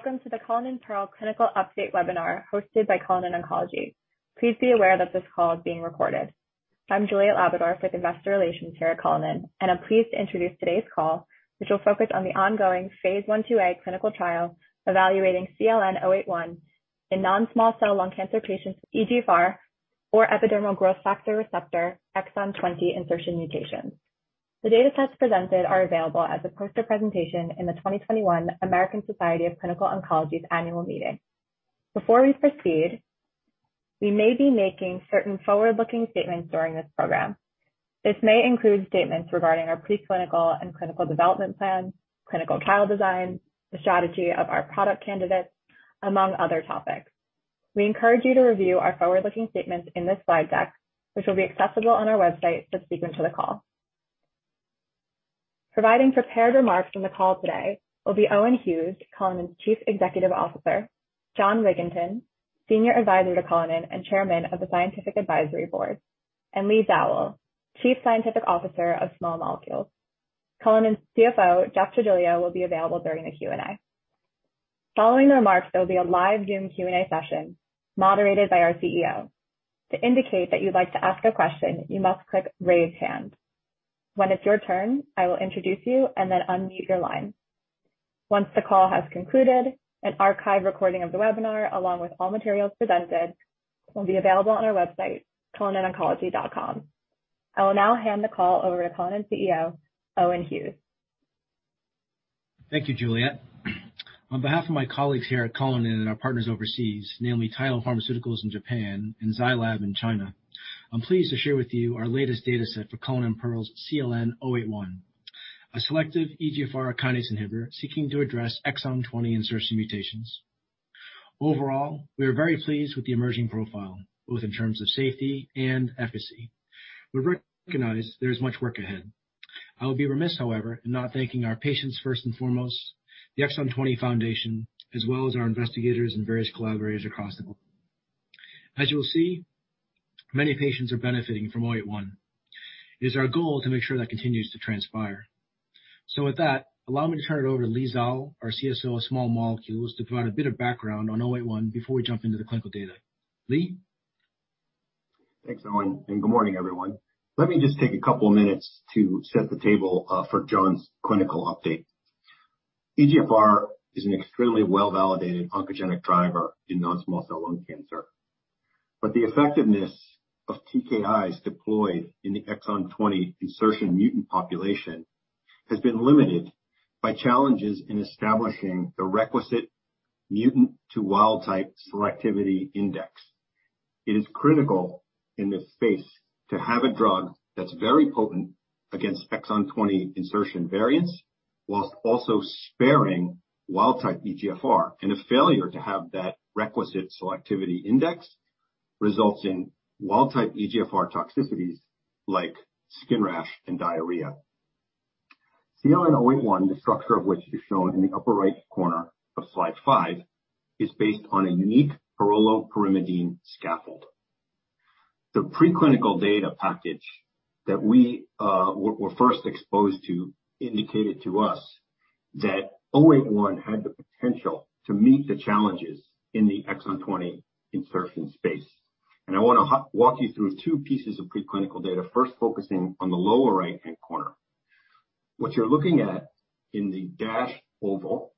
Hello, welcome to the Cullinan Pearl Clinical Update webinar hosted by Cullinan Oncology. Please be aware that this call is being recorded. I'm Juliet Labadorf, of [Investor Relations] here at Cullinan, I'm pleased to introduce today's call, which will focus on the ongoing phase I-IIa clinical trial evaluating CLN-081 in non-small cell lung cancer patients with EGFR or Epidermal Growth Factor Receptor exon 20 insertion mutations. The data sets presented are available as a poster presentation in the 2021 American Society of Clinical Oncology annual meeting. Before we proceed, we may be making certain forward-looking statements during this program. This may include statements regarding our preclinical and clinical development plans, clinical trial designs, the strategy of our product candidates, among other topics. We encourage you to review our forward-looking statements in this slide deck, which will be accessible on our website this week until the call. Providing prepared remarks from the call today will be Owen Hughes, Cullinan's Chief Executive Officer, Jon Wigginton, Senior Advisor to Cullinan and Chairman of the Scientific Advisory Board, and Leigh Zawel, Chief Scientific Officer of Small Molecules. Cullinan CFO, Jeffrey Trigilio, will be available during the Q&A. Following remarks, there'll be a live Zoom Q&A session moderated by our CEO. To indicate that you'd like to ask a question, you must click Raise Hand. When it's your turn, I will introduce you and then unmute your line. Once the call has concluded, an archive recording of the webinar, along with all materials presented, will be available on our website, cullinantherapeutics.com. I will now hand the call over to Cullinan's CEO, Owen Hughes. Thank you, Juliet. On behalf of my colleagues here at Cullinan and our partners overseas, namely Taiho Pharmaceutical in Japan and Zai Lab in China, I'm pleased to share with you our latest data set for Cullinan Pearl's CLN-081, a selective EGFR kinase inhibitor seeking to address exon 20 insertion mutations. Overall, we are very pleased with the emerging profile, both in terms of safety and efficacy. We recognize there's much work ahead. I'll be remiss, however, in not thanking our patients first and foremost, the Exon 20 Foundation, as well as our investigators and various collaborators across the globe. As you'll see, many patients are benefiting from CLN-081. It is our goal to make sure that continues to transpire. With that, allow me to turn it over to Leigh Zawel, our CSO of Small Molecules, to provide a bit of background on 081 before we jump into the clinical data. Leigh? Thanks, Owen, and good morning, everyone. Let me just take a couple of minutes to set the table for Jon's clinical update. EGFR is an extremely well-validated oncogenic driver in non-small cell lung cancer. The effectiveness of TKIs deployed in the exon 20 insertion mutant population has been limited by challenges in establishing the requisite mutant to wild-type selectivity index. It is critical in this space to have a drug that's very potent against exon 20 insertion variants whilst also sparing wild-type EGFR, and a failure to have that requisite selectivity index results in wild-type EGFR toxicities like skin rash and diarrhea. CLN-081, the structure of which is shown in the upper right corner of slide five, is based on a unique pyrrolopyrimidine scaffold. The preclinical data package that we were first exposed to indicated to us that CLN-081 had the potential to meet the challenges in the exon 20 insertion space. I want to walk you through two pieces of preclinical data, first focusing on the lower right-hand corner. What you're looking at in the dashed oval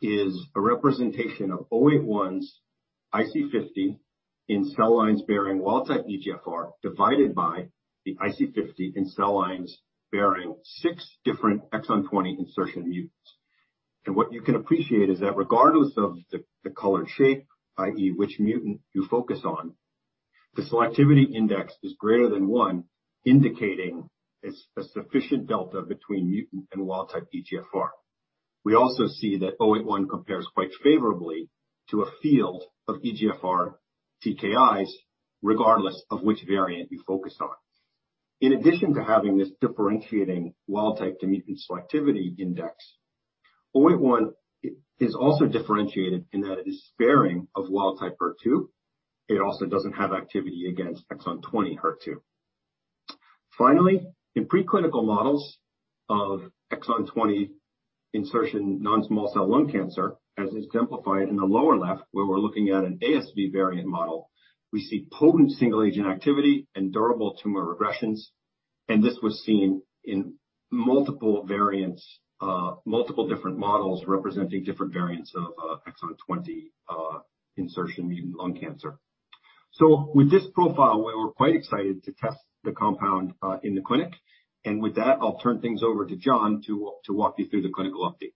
is a representation of CLN-081's IC50 in cell lines bearing wild-type EGFR divided by the IC50 in cell lines bearing six different exon 20 insertion mutants. What you can appreciate is that regardless of the colored shape, i.e., which mutant you focus on, the selectivity index is greater than one, indicating a sufficient delta between mutant and wild-type EGFR. We also see that CLN-081 compares quite favorably to a field of EGFR TKIs, regardless of which variant you focus on. In addition to having this differentiating wild-type to mutant selectivity index, CLN-081 is also differentiated in that it is sparing of wild-type HER2. It also doesn't have activity against exon 20 HER2. Finally, in preclinical models of exon 20 insertion non-small cell lung cancer, as exemplified in the lower left, where we're looking at an ASV variant model, we see potent single-agent activity and durable tumor regressions, and this was seen in multiple different models representing different variants of exon 20 insertion mutant lung cancer. With this profile, we were quite excited to test the compound in the clinic. With that, I'll turn things over to Jon to walk you through the clinical update.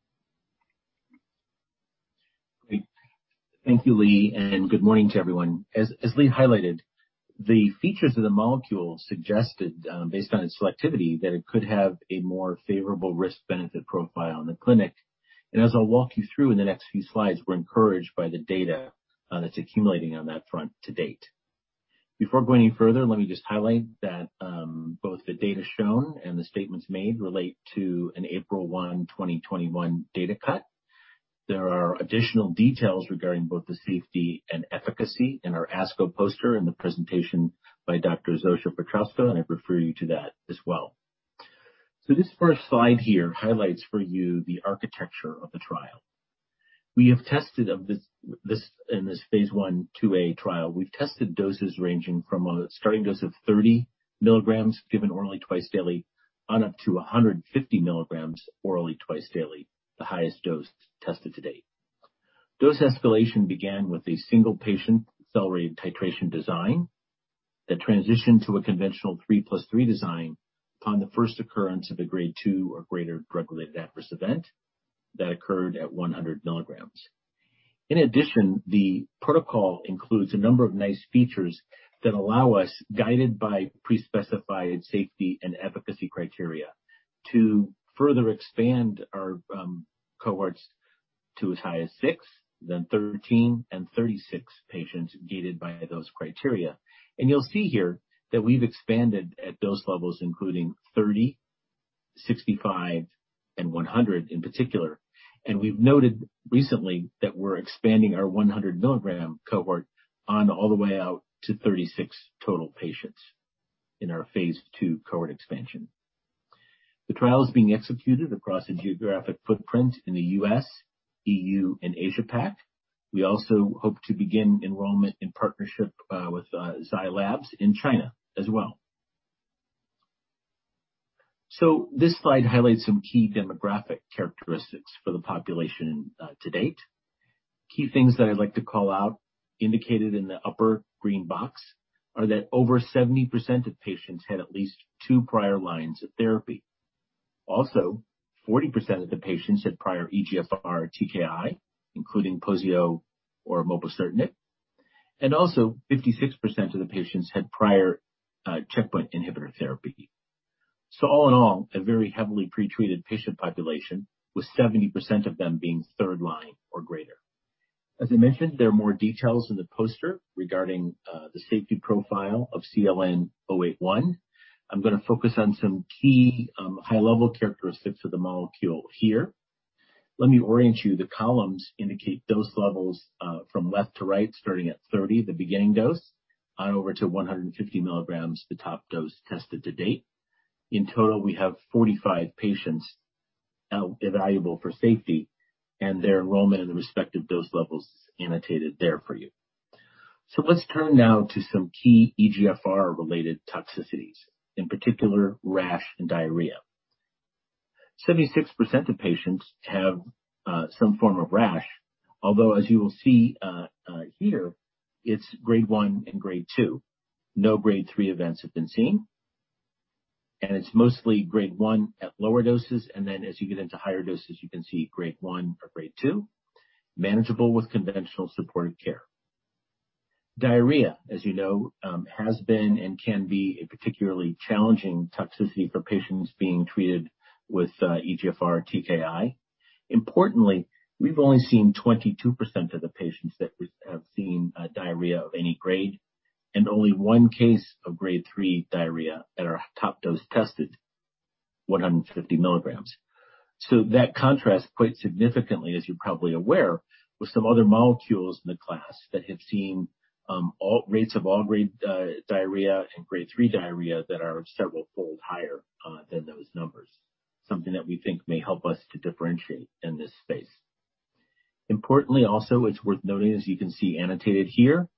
Great. Thank you, Leigh. Good morning to everyone. As Leigh highlighted, the features of the molecule suggested, based on its selectivity, that it could have a more favorable risk-benefit profile in the clinic. As I'll walk you through in the next few slides, we're encouraged by the data that's accumulating on that front to date. Before going further, let me just highlight that both the data shown and the statements made relate to an April 1, 2021 data cut. There are additional details regarding both the safety and efficacy in our ASCO poster and the presentation by Dr. Zofia Piotrowska, and I refer you to that as well. This first slide here highlights for you the architecture of the trial. In this phase I/IIa trial, we've tested doses ranging from a starting dose of 30 mg given orally twice daily on up to 150 mg orally twice daily, the highest dose tested to date. Dose escalation began with a single patient accelerated titration design that transitioned to a conventional 3+3 design on the first occurrence of a Grade 2 or greater drug-related adverse event that occurred at 100 mg. In addition, the protocol includes a number of nice features that allow us, guided by pre-specified safety and efficacy criteria, to further expand our cohorts to as high as 13 and 36 patients guided by dose criteria. You'll see here that we've expanded at dose levels including 30 mg, 65 mg, and 100 mg in particular. We've noted recently that we're expanding our 100 mg cohort all the way out to 36 total patients in our phase II cohort expansion. The trial is being executed across a geographic footprint in the U.S., E.U., and Asia-Pac. We also hope to begin enrollment in partnership with Zai Lab in China as well. This slide highlights some key demographic characteristics for the population to date. Key things that I'd like to call out indicated in the upper green box are that over 70% of patients had at least two prior lines of therapy. Also, 40% of the patients had prior EGFR TKI, including poziotinib or mobocertinib, and also 56% of the patients had prior checkpoint inhibitor therapy. All in all, a very heavily pretreated patient population, with 70% of them being third line or greater. As I mentioned, there are more details in the poster regarding the safety profile of CLN-081. I'm going to focus on some key high-level characteristics of the molecule here. Let me orient you. The columns indicate dose levels from left to right, starting at 30 mg, the beginning dose, over to 150 mg, the top dose tested to date. In total, we have 45 patients evaluable for safety and their enrollment and respective dose levels is annotated there for you. Let's turn now to some key EGFR-related toxicities, in particular rash and diarrhea. 76% of patients have some form of rash, although as you will see here, it's Grade 1 and Grade 2. No Grade 3 events have been seen, and it's mostly Grade 1 at lower doses and then as you get into higher doses, you can see Grade 1 or Grade 2, manageable with conventional supportive care. Diarrhea, as you know, has been and can be a particularly challenging toxicity for patients being treated with EGFR TKI. Importantly, we've only seen 22% of the patients that have seen diarrhea of any grade and only one case of Grade 3 diarrhea at our top dose tested, 150 mg. That contrasts quite significantly, as you're probably aware, with some other molecules in the class that have seen rates of all grade diarrhea and Grade 3 diarrhea that are several fold higher than those numbers. Something that we think may help us to differentiate in this space. Importantly, also, it's worth noting, as you can see annotated here,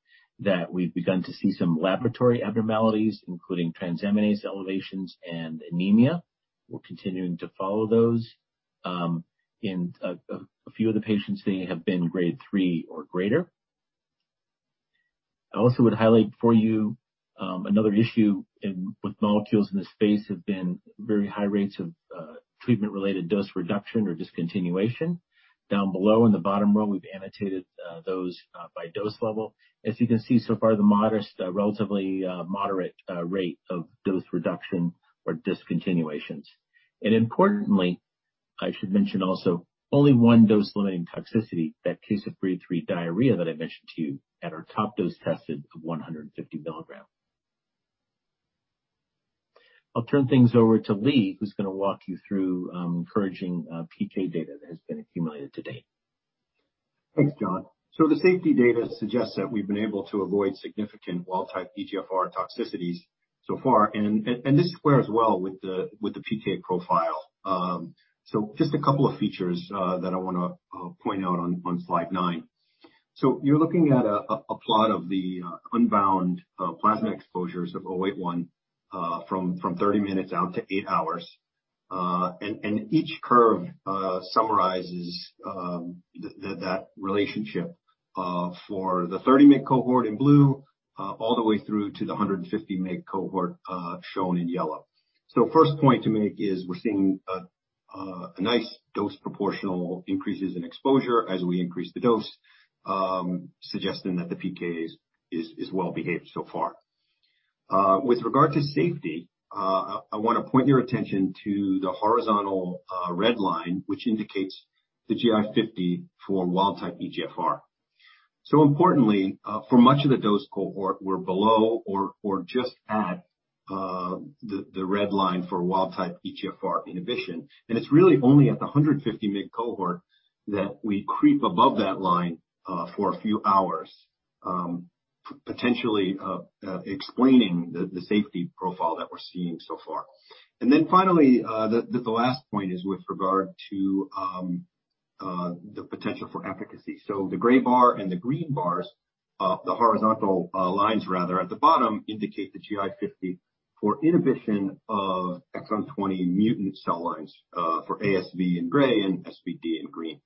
that we've begun to see some laboratory abnormalities, including transaminase elevations and anemia. We're continuing to follow those. In a few of the patients, they have been Grade 3 or greater. I also would highlight for you another issue with molecules in this space have been very high rates of treatment-related dose reduction or discontinuation. Down below in the bottom row, we've annotated those by dose level. As you can see so far, the relatively moderate rate of dose reduction or discontinuations. Importantly, I should mention also only one dose limiting toxicity, that case of Grade 3 diarrhea that I mentioned to you at our top dose tested of 150 mg. I'll turn things over to Leigh, who's going to walk you through encouraging PK data that has been accumulated to date. Thanks, Jon. The safety data suggests that we've been able to avoid significant wild-type EGFR toxicities so far, and this squares well with the PK profile. Just a couple of features that I want to point out on slide nine. You're looking at a plot of the unbound plasma exposures of CLN-081 from 30 minutes out to eight hours. Each curve summarizes that relationship for the 30 mg cohort in blue all the way through to the 150 mg cohort shown in yellow. First point to make is we're seeing a nice dose proportional increases in exposure as we increase the dose, suggesting that the PK is well-behaved so far. With regard to safety, I want to point your attention to the horizontal red line, which indicates the GI50 for wild-type EGFR. Importantly, for much of the dose cohort, we're below or just at the red line for wild-type EGFR inhibition. It's really only at the 150 mg cohort that we creep above that line for a few hours. Potentially explaining the safety profile that we're seeing so far. Finally, the last point is with regard to the potential for efficacy. The gray bar and the green bars, the horizontal lines rather at the bottom indicate the GI50 for inhibition of exon 20 mutant cell lines for ASV in gray and SVD in green.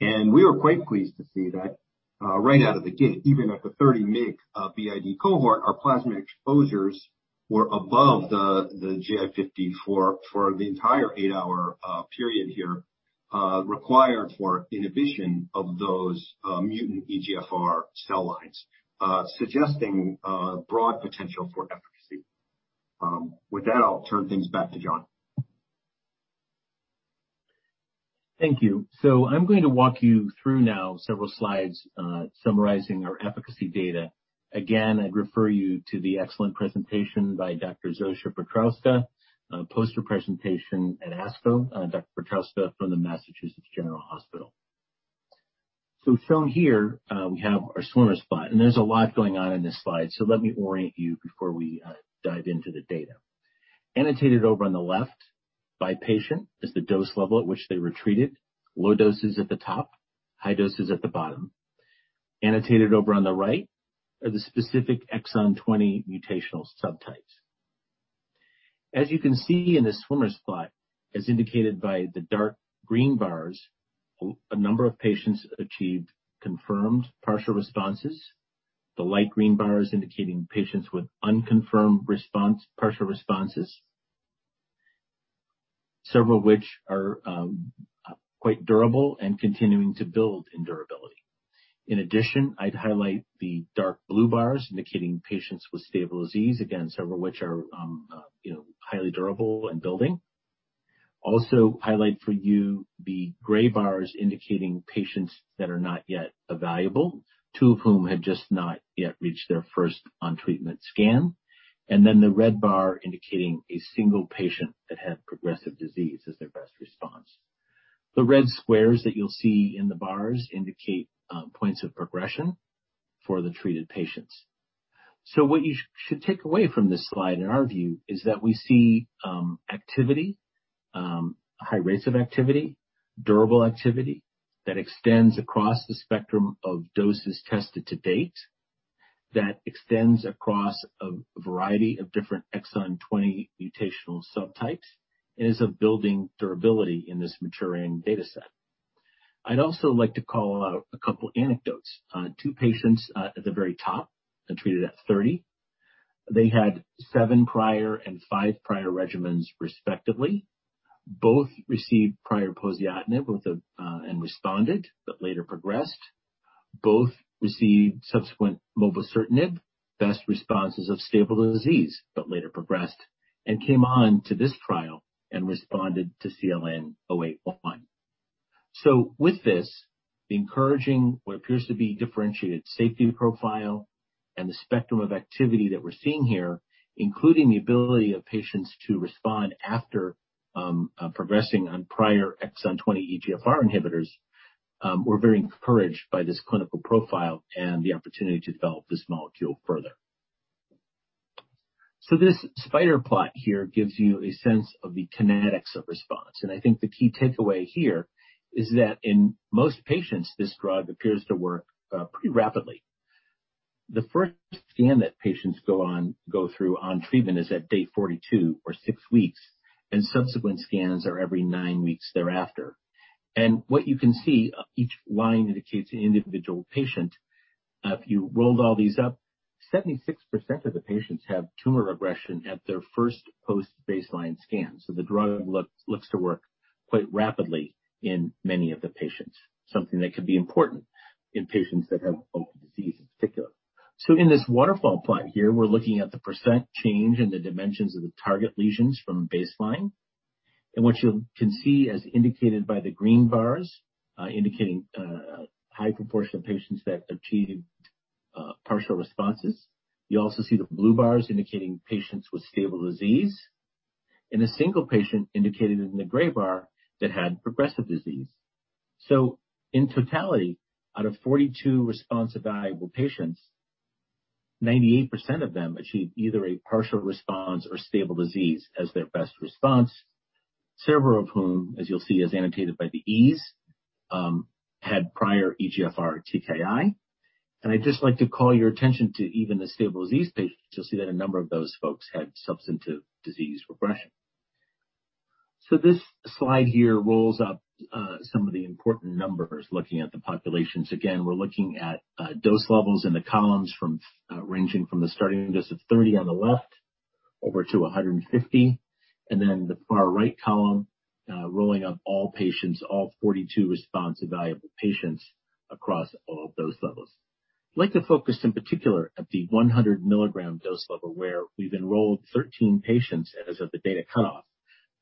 We were quite pleased to see that right out of the gate, even at the 30 mg of BID cohort, our plasma exposures were above the GI50 for the entire eight-hour period here, required for inhibition of those mutant EGFR cell lines, suggesting broad potential for efficacy. With that, I'll turn things back to Jon. Thank you. I'm going to walk you through now several slides summarizing our efficacy data. Again, I'd refer you to the excellent presentation by Dr. Zofia Piotrowska, a poster presentation at ASCO, Dr. Piotrowska from the Massachusetts General Hospital. Shown here, we have our swimmer's plot, and there's a lot going on in this slide, so let me orient you before we dive into the data. Annotated over on the left by patient is the dose level at which they were treated, low doses at the top, high doses at the bottom. Annotated over on the right are the specific exon 20 mutational subtypes. As you can see in the swimmer's plot, as indicated by the dark green bars, a number of patients achieved confirmed partial responses, the light green bars indicating patients with unconfirmed partial responses, several of which are quite durable and continuing to build in durability. In addition, I'd highlight the dark blue bars indicating patients with stable disease, again, several which are highly durable and building. Also highlight for you the gray bars indicating patients that are not yet evaluable, two of whom had just not yet reached their first on-treatment scan, and then the red bar indicating a single patient that had progressive disease as their best response. The red squares that you'll see in the bars indicate points of progression for the treated patients. What you should take away from this slide, in our view, is that we see activity, high rates of activity, durable activity that extends across the spectrum of doses tested to date, that extends across a variety of different exon 20 mutational subtypes, and is of building durability in this maturing data set. I'd also like to call out a couple anecdotes. Two patients at the very top are treated at 30. They had seven prior and five prior regimens, respectively. Both received prior poziotinib and responded but later progressed. Both received subsequent mobocertinib, best responses of stable disease, but later progressed and came on to this trial and responded to CLN-081. With this, the encouraging what appears to be differentiated safety profile and the spectrum of activity that we're seeing here, including the ability of patients to respond after progressing on prior exon 20 EGFR inhibitors, we're very encouraged by this clinical profile and the opportunity to develop this molecule further. This spider plot here gives you a sense of the kinetics of response. I think the key takeaway here is that in most patients, this drug appears to work pretty rapidly. The first scan that patients go through on treatment is at day 42 or six weeks, and subsequent scans are every nine weeks thereafter. What you can see, each line indicates an individual patient. If you rolled all these up, 76% of the patients have tumor regression at their first post-baseline scan. The drug looks to work quite rapidly in many of the patients, something that can be important in patients that have bulk disease in particular. In this waterfall plot here, we're looking at the percent change in the dimensions of the target lesions from baseline. What you can see as indicated by the green bars, indicating a high proportion of patients that achieved partial responses. You also see the blue bars indicating patients with stable disease, and a single patient indicated in the gray bar that had progressive disease. In totality, out of 42 response evaluable patients, 98% of them achieved either a partial response or stable disease as their best response. Several of whom, as you'll see as indicated by the E's, had prior EGFR TKI. I'd just like to call your attention to even the stable disease patients. You'll see that a number of those folks had substantive disease regression. This slide here rolls up some of the important numbers looking at the populations. Again, we're looking at dose levels in the columns ranging from the starting dose of 30 mg on the left over to 150 mg. The far right column, rolling up all patients, all 42 response evaluable patients across all dose levels. I'd like to focus in particular at the 100 mg dose level, where we've enrolled 13 patients as of the data cutoff.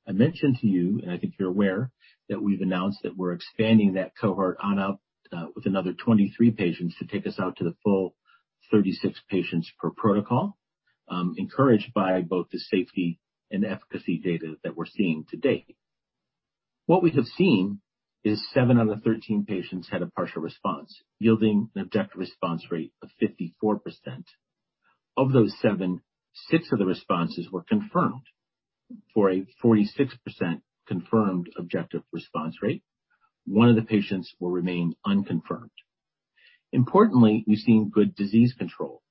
I mentioned to you, and I think you're aware that we've announced that we're expanding that cohort on up with another 23 patients to take us out to the full 36 patients per protocol, encouraged by both the safety and efficacy data that we're seeing to date. What we have seen is seven out of 13 patients had a partial response, yielding an objective response rate of 54%. Of those seven, six of the responses were confirmed for a 46% confirmed objective response rate. one of the patients will remain unconfirmed. Importantly, we've seen good disease control.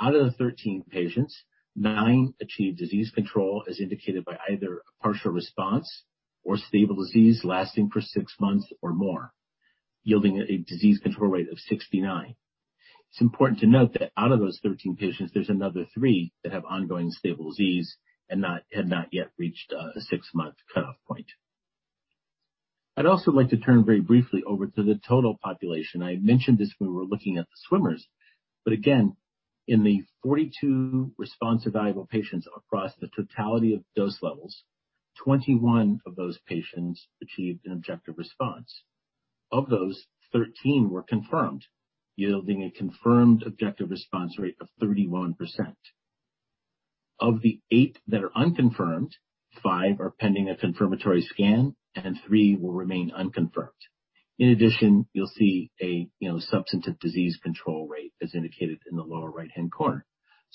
Out of the 13 patients, nine achieved disease control, as indicated by either a partial response or stable disease lasting for six months or more, yielding a disease control rate of 69%. It's important to note that out of those 13 patients, there's another three that have ongoing stable disease and have not yet reached a six-month cutoff point. I'd also like to turn very briefly over to the total population. I mentioned this when we were looking at the swimmers. Again, in the 42 response evaluable patients across the totality of dose levels, 21 of those patients achieved an objective response. Of those, 13 were confirmed, yielding a confirmed objective response rate of 31%. Of the eight that are unconfirmed, five are pending a confirmatory scan, and three will remain unconfirmed. In addition, you'll see a substantive disease control rate, as indicated in the lower right-hand corner.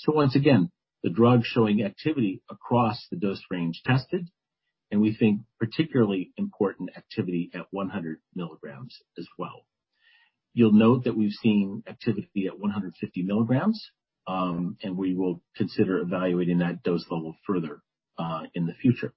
Once again, the drug's showing activity across the dose range tested, and we think particularly important activity at 100 mg as well. You'll note that we've seen activity at 150 mg, and we will consider evaluating that dose level further in the future.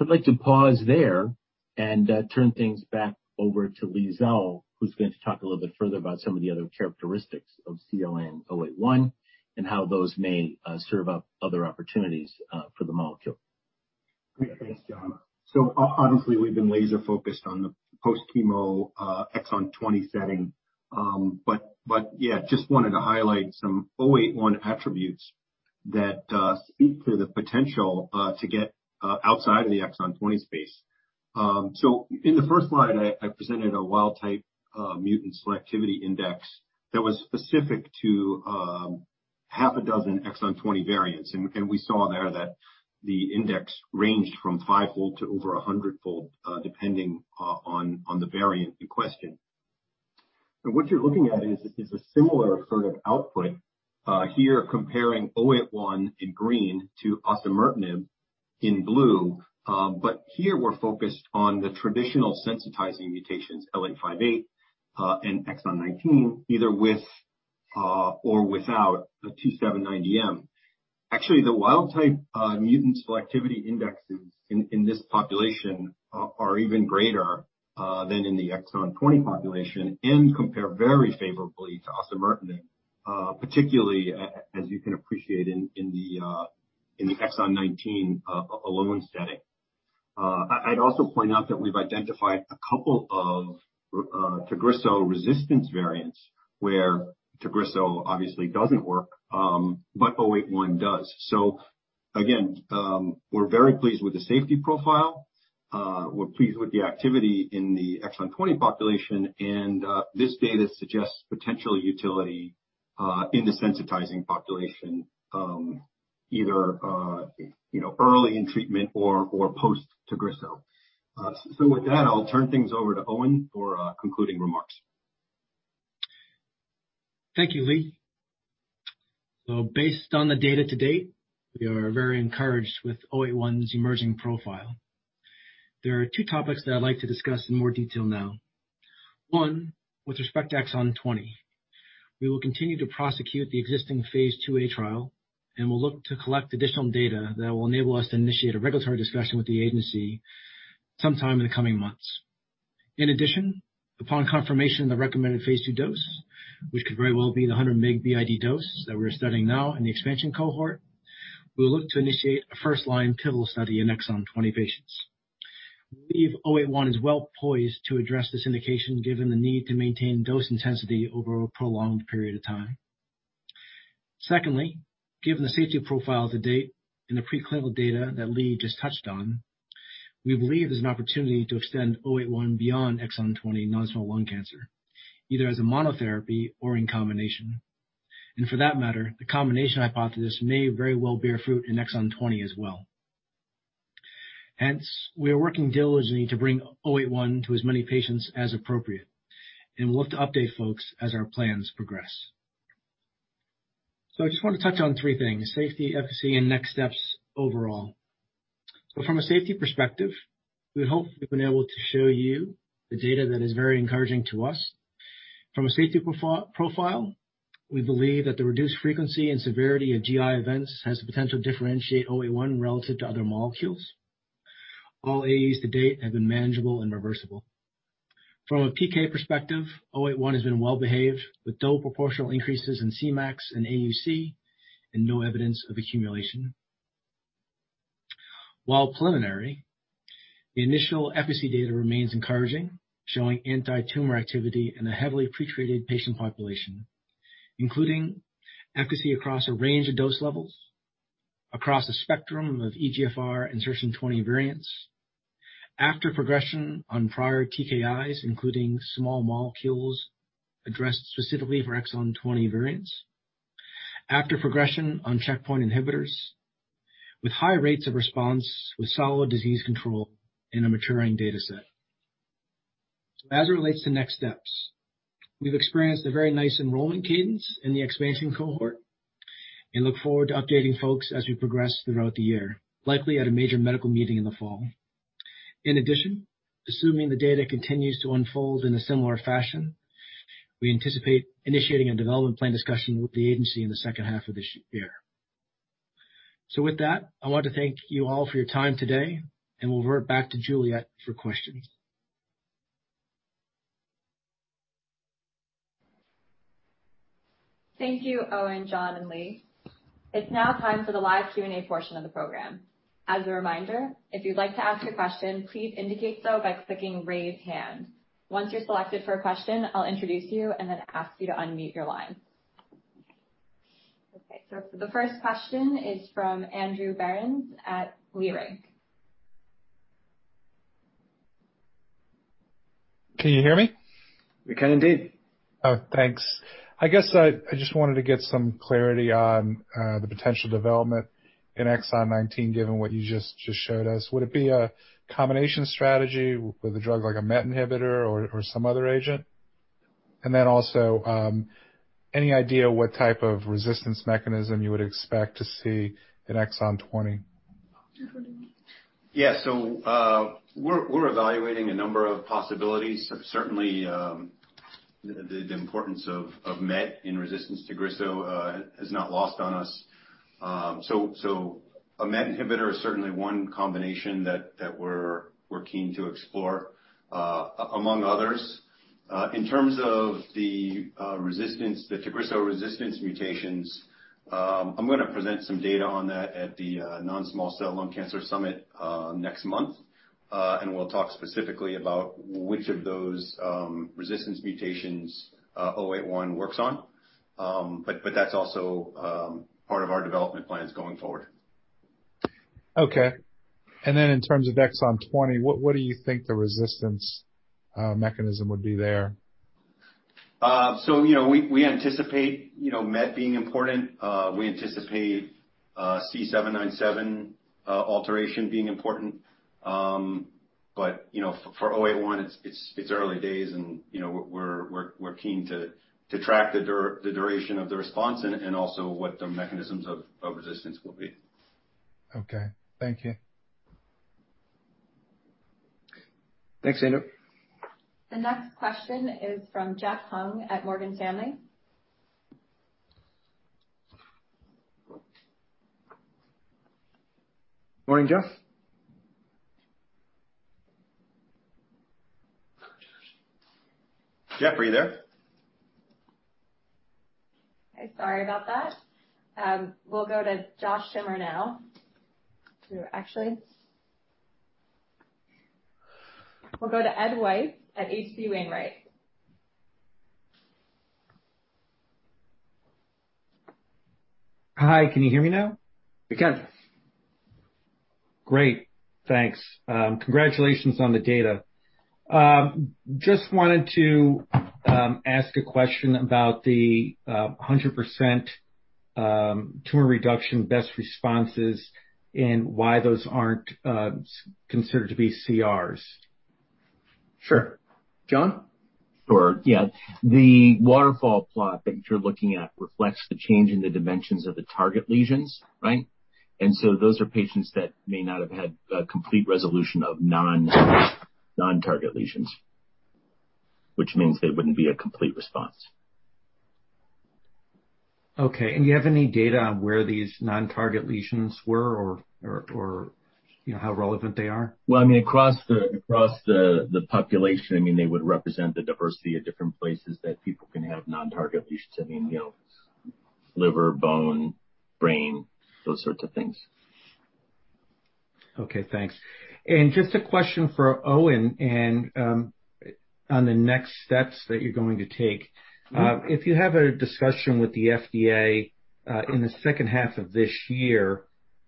I'd like to pause there and turn things back over to Leigh Zawel, who's going to talk a little bit further about some of the other characteristics of CLN-081 and how those may serve up other opportunities for the molecule. Great. Thanks, Jon. Honestly, we've been laser-focused on the post-chemo exon 20 setting. Yeah, just wanted to highlight some CLN-081 attributes that speak to the potential to get outside of the exon 20 space. In the first slide, I presented a wild type mutant selectivity index that was specific to half a dozen exon 20 variants, and we saw there that the index ranged from five-fold to over 100-fold, depending on the variant in question. What you're looking at is a similar sort of output here comparing CLN-081 in green to osimertinib in blue. Here we're focused on the traditional sensitizing mutations, L858R and exon 19, either with or without a T790M. Actually, the wild type mutant selectivity indexes in this population are even greater than in the exon 20 population and compare very favorably to osimertinib, particularly as you can appreciate in the exon 19-alone setting. I'd also point out that we've identified a couple of TAGRISSO resistance variants where TAGRISSO obviously doesn't work, but CLN-081 does. Again, we're very pleased with the safety profile. We're pleased with the activity in the exon 20 population, and this data suggests potential utility in the sensitizing population, either early in treatment or post-TAGRISSO. With that, I'll turn things over to Owen for concluding remarks. Thank you, Leigh. Based on the data to date, we are very encouraged with CLN-081's emerging profile. There are two topics that I'd like to discuss in more detail now. One, with respect to exon 20. We will continue to prosecute the existing phase IIa trial and will look to collect additional data that will enable us to initiate a regulatory discussion with the agency sometime in the coming months. In addition, upon confirmation of the recommended phase II dose, which could very well be the 100 mg BID dose that we're studying now in the expansion cohort, we'll look to initiate a first-line pivotal study in exon 20 patients. We believe CLN-081 is well-poised to address this indication, given the need to maintain dose intensity over a prolonged period of time. Secondly, given the safety profile to date and the preclinical data that Leigh just touched on, we believe there's an opportunity to extend CLN-081 beyond exon 20 non-small cell lung cancer, either as a monotherapy or in combination. For that matter, the combination hypothesis may very well bear fruit in exon 20 as well. We are working diligently to bring CLN-081 to as many patients as appropriate, and we'll look to update folks as our plans progress. I just want to touch on three things, safety, efficacy, and next steps overall. From a safety perspective, we hope we've been able to show you the data that is very encouraging to us. From a safety profile, we believe that the reduced frequency and severity of GI events has the potential to differentiate CLN-081 relative to other molecules. All AEs to date have been manageable and reversible. From a PK perspective, CLN-081 has been well-behaved, with dose proportional increases in Cmax and AUC and no evidence of accumulation. While preliminary, the initial efficacy data remains encouraging, showing anti-tumor activity in a heavily pretreated patient population, including efficacy across a range of dose levels, across a spectrum of EGFR exon 20 variants. After progression on prior TKIs, including small molecules addressed specifically for exon 20 variants. After progression on checkpoint inhibitors with high rates of response with solid disease control in a maturing data set. As it relates to next steps, we've experienced a very nice enrollment cadence in the expansion cohort and look forward to updating folks as we progress throughout the year, likely at a major medical meeting in the fall. In addition, assuming the data continues to unfold in a similar fashion, we anticipate initiating a development plan discussion with the agency in the second half of this year. With that, I want to thank you all for your time today, and we'll revert back to Juliet for questions. Thank you, Owen, Jon, and Leigh. It's now time for the live Q&A portion of the program. As a reminder, if you'd like to ask a question, please indicate so by clicking raise hand. Once you're selected for a question, I'll introduce you and then ask you to unmute your line. The first question is from Andrew Berens at Leerink. Can you hear me? We can indeed. Oh, thanks. I guess I just wanted to get some clarity on the potential development in exon 19, given what you just showed us. Would it be a combination strategy with a drug like a MET inhibitor or some other agent? Any idea what type of resistance mechanism you would expect to see in exon 20? Yeah. We're evaluating a number of possibilities. Certainly, the importance of MET in resistance to TAGRISSO is not lost on us. A MET inhibitor is certainly one combination that we're keen to explore, among others. In terms of the TAGRISSO resistance mutations, I'm going to present some data on that at the NSCLC Summit next month. We'll talk specifically about which of those resistance mutations CLN-081 works on. That's also part of our development plans going forward. Okay. In terms of exon 20, what do you think the resistance mechanism would be there? We anticipate MET being important. We anticipate C797S alteration being important. For CLN-081, it's early days, and we're keen to track the duration of the response and also what the mechanisms of resistance will be. Okay. Thank you. Thanks, Andrew. The next question is from Jeff Hung at Morgan Stanley. Go on, Jeff. Jeff, are you there? Sorry about that. We'll go to Josh Schimmer now. Actually, we'll go to Ed White at H.C. Wainwright. Hi, can you hear me now? We can. Great. Thanks. Congratulations on the data. Just wanted to ask a question about the 100% tumor reduction best responses and why those aren't considered to be CRs. Sure. Jon? Sure, yeah. The waterfall plot that you're looking at reflects the change in the dimensions of the target lesions, right? Those are patients that may not have had a complete resolution of non-target lesions, which means they wouldn't be a complete response. Okay. Do you have any data on where these non-target lesions were or how relevant they are? Well, across the population, they would represent the diversity of different places that people can have non-target lesions sitting in, liver, bone, brain, those sorts of things. Okay, thanks. Just a question for Owen and on the next steps that you're going to take. If you have a discussion with the FDA in the second half of this year,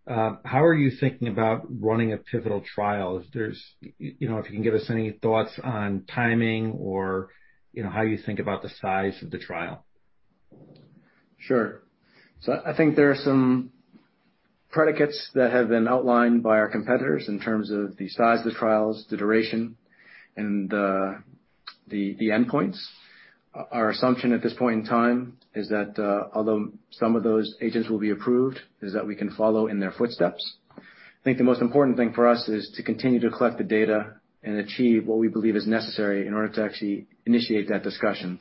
how are you thinking about running a pivotal trial? If you can give us any thoughts on timing or how you think about the size of the trial. Sure. I think there are some predicates that have been outlined by our competitors in terms of the size of the trials, the duration, and the endpoints. Our assumption at this point in time is that although some of those agents will be approved, is that we can follow in their footsteps. I think the most important thing for us is to continue to collect the data and achieve what we believe is necessary in order to actually initiate that discussion.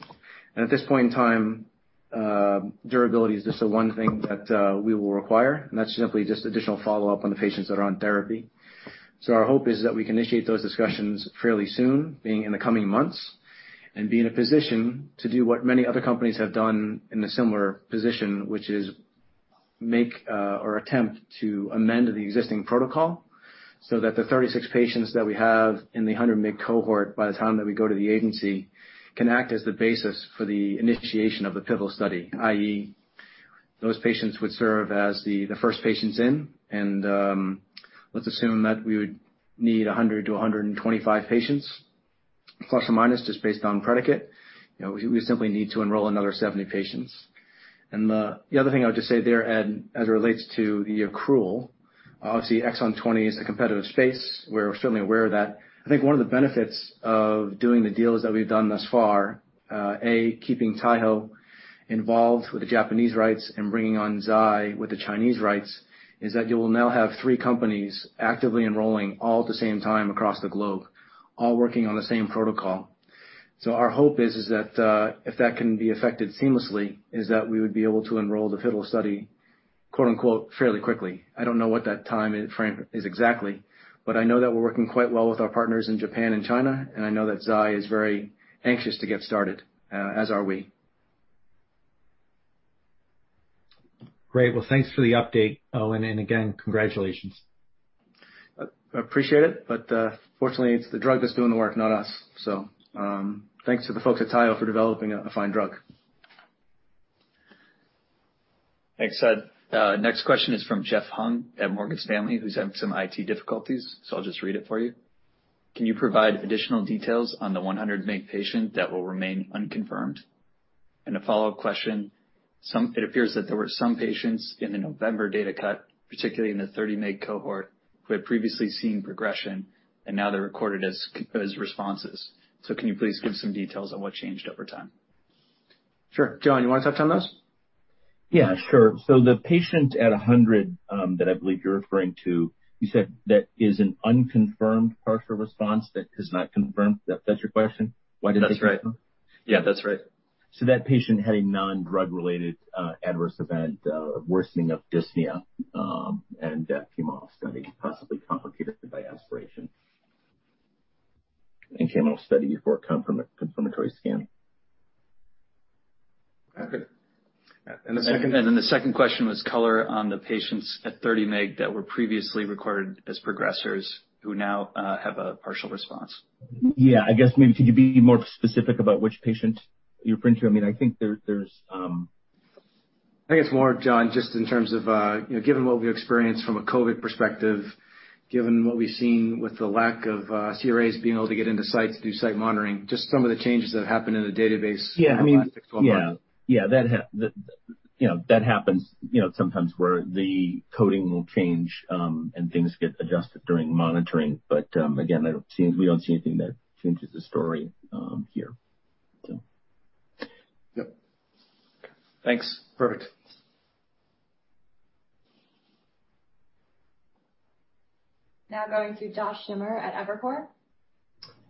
At this point in time, durability is just the one thing that we will require. That's simply just additional follow-up on the patients that are on therapy. Our hope is that we can initiate those discussions fairly soon, being in the coming months, and be in a position to do what many other companies have done in a similar position, which is make or attempt to amend the existing protocol so that the 36 patients that we have in the 100 mg cohort by the time that we go to the agency, can act as the basis for the initiation of a pivotal study, i.e., those patients would serve as the first patients in, and let's assume that we would need 100-125 patients. Plus or minus, just based on predicate. We simply need to enroll another 70 patients. The other thing I would just say there, as it relates to the accrual, obviously exon 20 is a competitive space. We're certainly aware of that. I think one of the benefits of doing the deals that we've done thus far, A, keeping Taiho involved with the Japanese rights and bringing on Zai with the Chinese rights, is that you will now have three companies actively enrolling all at the same time across the globe, all working on the same protocol. Our hope is that if that can be affected seamlessly, is that we would be able to enroll the pivotal study, quote-unquote, "fairly quickly." I don't know what that timeframe is exactly, but I know that we're working quite well with our partners in Japan and China, and I know that Zai is very anxious to get started, as are we. Great. Well, thanks for the update, Owen, and again, congratulations. I appreciate it, but fortunately, it's the drug that's doing the work, not us. Thanks to the folks at Taiho for developing a fine drug. Thanks. Next question is from Jeffrey Hung at Morgan Stanley, who's having some IT difficulties, so I'll just read it for you. Can you provide additional details on the 100 mg patient that will remain unconfirmed? A follow-up question, it appears that there were some patients in the 30 mg cohort, who had previously seen progression, and now they're recorded as responses. Can you please give some details on what changed over time? Sure. Jon, you want to talk to that one? Yeah, sure. The patient at 100 that I believe you're referring to, you said that is an unconfirmed partial response that is not confirmed. Is that your question? Why they did not confirm? That's right. Yeah, that's right. That patient had a non-drug related adverse event, worsening of dyspnea, and that came off study, possibly complicated by aspiration. Came off study pre-confirmatory scan. The second question was color on the patients at 30 mg that were previously recorded as progressors who now have a partial response. Yeah, I guess maybe can you be more specific about which patient you're referring to? Maybe it's more, Jon, just in terms of, given what we've experienced from a COVID perspective, given what we've seen with the lack of CRAs being able to get into sites to do site monitoring, just some of the changes that happened in the database in the last six-12 months. Yeah. That happens sometimes where the coding will change and things get adjusted during monitoring. Again, we don't see anything that changes the story here. Yep. Thanks. Perfect. Now going to Josh Schimmer at Evercore.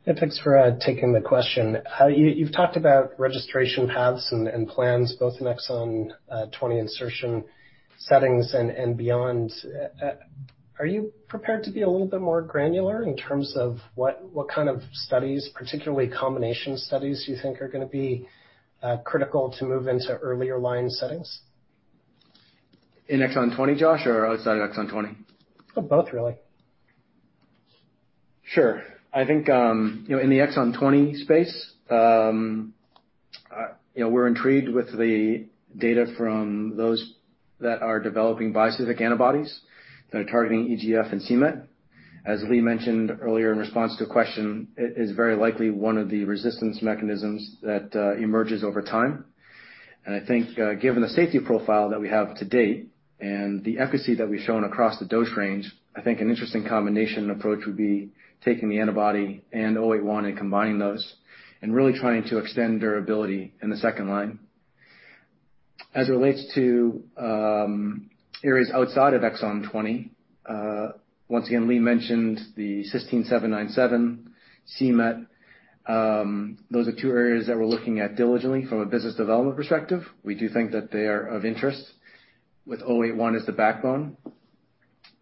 Thanks for taking the question. You've talked about registration paths and plans, both in exon 20 insertion settings and beyond. Are you prepared to be a little bit more granular in terms of what kind of studies, particularly combination studies, you think are going to be critical to move into earlier line settings? In exon 20, Josh, or outside exon 20? Both, really. Sure. I think, in the exon 20 space, we're intrigued with the data from those that are developing bispecific antibodies that are targeting EGFR and cMET As Leigh mentioned earlier in response to a question, it is very likely one of the resistance mechanisms that emerges over time. I think given the safety profile that we have to date and the efficacy that we've shown across the dose range, I think an interesting combination approach would be taking the antibody and 081 and combining those and really trying to extend durability in the second line. As it relates to areas outside of exon 20, once again, Leigh mentioned the C797S, cMET. Those are two areas that we're looking at diligently from a business development perspective. We do think that they are of interest with CLN-081 as the backbone.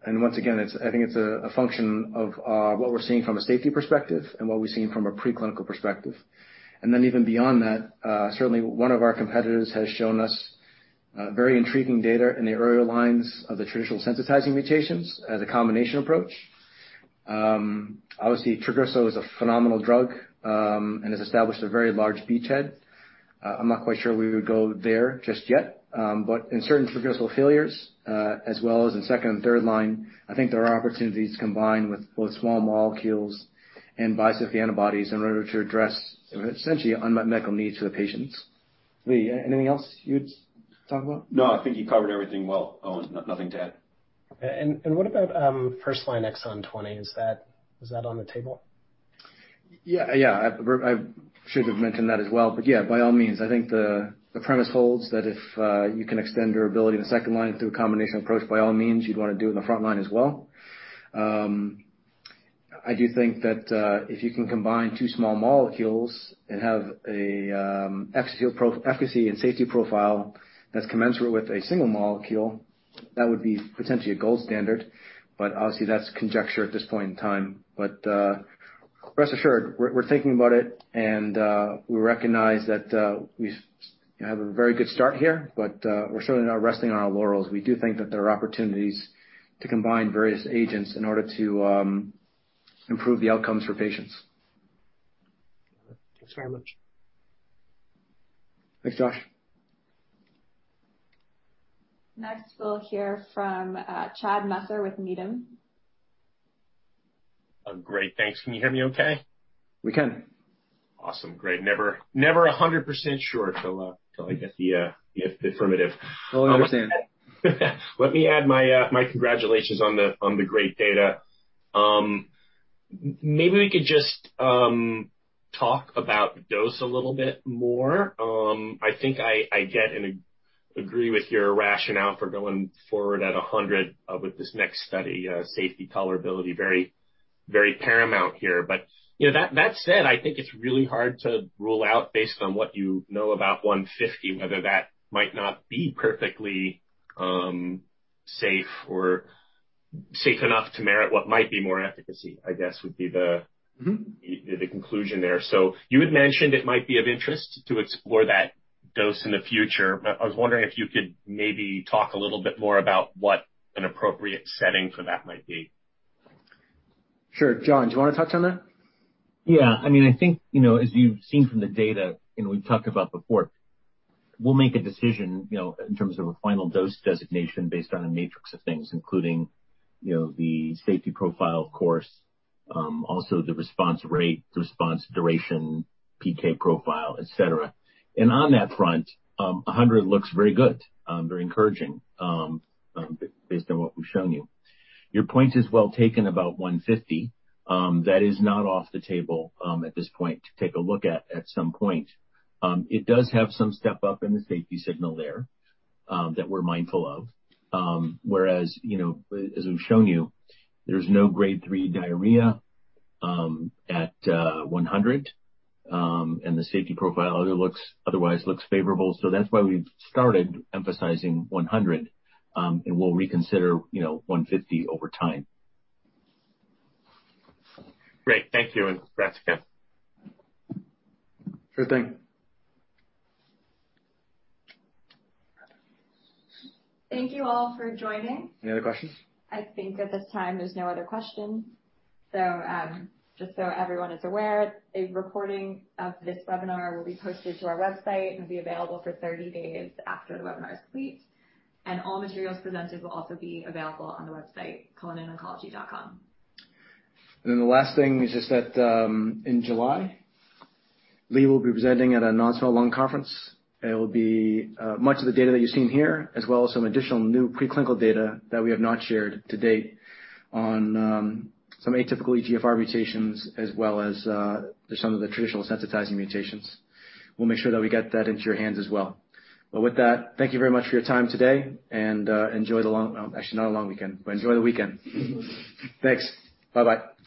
Once again, I think it's a function of what we're seeing from a safety perspective and what we're seeing from a preclinical perspective. Then even beyond that, certainly one of our competitors has shown us very intriguing data in the earlier lines of the traditional sensitizing mutations as a combination approach. Obviously, TAGRISSO is a phenomenal drug and has established a very large beachhead. I'm not quite sure we would go there just yet, but in certain TAGRISSO failures, as well as in second and third line, I think there are opportunities combined with both small molecules and bispecific antibodies in order to address essentially unmet medical needs for patients. Leigh, anything else you'd talk about? No, I think you covered everything well, Owen. Nothing to add. What about first-line exon 20? Is that on the table? Yeah. I should have mentioned that as well, but yeah, by all means. I think the premise holds that if you can extend durability to the second line through a combination approach, by all means, you want to do it in the front line as well. I do think that if you can combine two small molecules and have an efficacy and safety profile that's commensurate with a single molecule, that would be potentially a gold standard, but obviously that's conjecture at this point in time. Rest assured, we're thinking about it, and we recognize that we have a very good start here, but we're certainly not resting on our laurels. We do think that there are opportunities to combine various agents in order to improve the outcomes for patients. All right. Thanks very much. Thanks, Josh. Next, we'll hear from Chad Messer with Needham. Great. Thanks. Can you hear me okay? We can. Awesome. Great. Never 100% sure till I get the affirmative. Let me add my congratulations on the great data. Maybe we could just talk about dose a little bit more. I think I get and agree with your rationale for going forward at 100 mg with this next study, safety tolerability very paramount here. That said, I think it's really hard to rule out based on what you know about 150 mg, whether that might not be perfectly safe or safe enough to merit what might be more efficacy i guess would be the conclusion there. You had mentioned it might be of interest to explore that dose in the future, but I was wondering if you could maybe talk a little bit more about what an appropriate setting for that might be. Sure. Jon, do you want to touch on that? Yeah. I think, as you've seen from the data and we've talked about before, we'll make a decision in terms of a final dose designation based on a matrix of things, including the safety profile, of course, also the response rate, response duration, PK profile, et cetera. On that front, 100 mg looks very good, very encouraging based on what we've shown you. Your point is well taken about 150 mg. That is not off the table at this point to take a look at some point. It does have some step-up in the safety signal there that we're mindful of. Whereas, as we've shown you, there's no Grade 3 diarrhea at 100 mg, and the safety profile otherwise looks favorable. That's why we've started emphasizing 100 mg, and we'll reconsider 150 mg over time. Great. Thank you. Congrats again. Sure thing. Thank you all for joining. Any other questions? I think at this time there's no other questions. Just so everyone is aware, a recording of this webinar will be posted to our website and be available for 30 days after the webinar is complete. All the materials presented will also be available on the website, cullinantherapeutics.com. The last thing is just that in July, Leigh will be presenting at an ASCO Lung Conference. It'll be much of the data that you've seen here, as well as some additional new preclinical data that we have not shared to date on some atypical EGFR mutations, as well as some of the traditional sensitizing mutations. We'll make sure that we get that into your hands as well. With that, thank you very much for your time today and enjoy the weekend. Thanks. Bye-bye